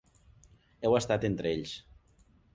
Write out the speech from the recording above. Heu estat entre ells.